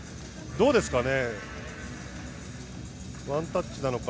どうですかね？